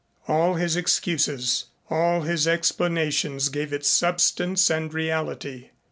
All his excuses, all his explanations gave it substance and reality.